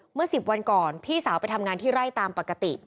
เมื่อ๑๐วันก่อนพี่สาวไปทำงานที่ไร่ตามปกติ